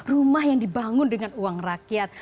rumah yang dibangun dengan uang rakyat